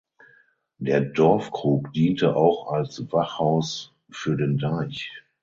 Der Dorfkrug diente auch als Wachhaus für den Deich.